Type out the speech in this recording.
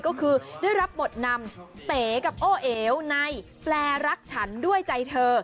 ก็คือได้รับบทนำเต๋กับโอ้เอ๋วในแปลรักฉันด้วยใจเธอ